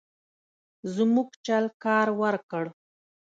زموږ چل کار ورکړ.